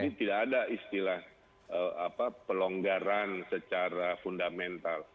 jadi tidak ada istilah pelonggaran secara fundamental